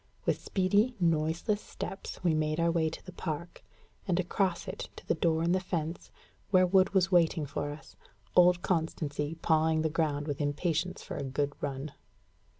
With speedy, noiseless steps, we made our way to the park, and across it to the door in the fence, where Wood was waiting for us, old Constancy pawing the ground with impatience for a good run.